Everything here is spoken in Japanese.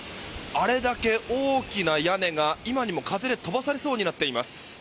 あれだけ大きな屋根が今にも風で飛ばされそうになっています。